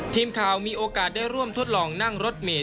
ทีมข่าวมีโอกาสได้ร่วมทดลองนั่งรถเมย